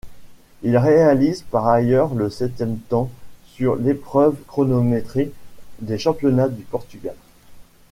Il réalise par ailleurs le septième temps sur l'épreuve chronométrée des championnats du Portugal.